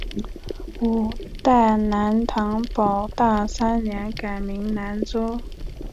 五代南唐保大三年改名南州。